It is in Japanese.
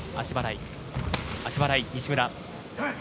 足払い、西村。